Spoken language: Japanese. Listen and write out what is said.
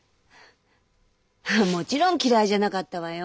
もちろん嫌いじゃなかったわよ。